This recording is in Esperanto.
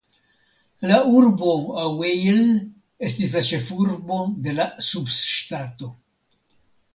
La urbo Aŭeil estis la ĉefurbo de la subŝtato.